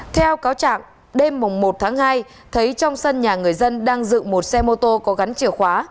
theo cáo trạng đêm một tháng hai thấy trong sân nhà người dân đang dựng một xe mô tô có gắn chìa khóa